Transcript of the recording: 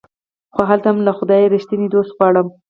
خو هلته هم له خدايه ريښتيني دوست غواړم